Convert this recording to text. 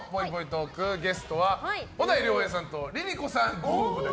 トークゲストは小田井涼平さんとＬｉＬｉＣｏさんご夫婦で。